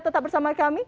tetap bersama kami